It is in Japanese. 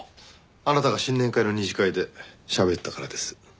あなたが新年会の二次会でしゃべったからです。